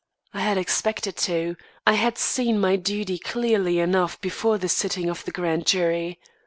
I had expected to; I had seen my duty clearly enough before the sitting of the grand jury.